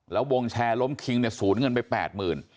แล้ววงแชร์ล้มคิงสูญเงินไปแปดหมื่น